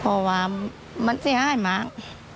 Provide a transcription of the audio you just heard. พอว่ามันที่ห้ายมาก